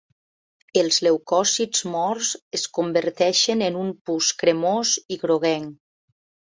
Els leucòcits morts es converteixen en un pus cremós i groguenc.